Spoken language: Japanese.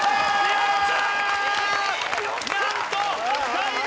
やった！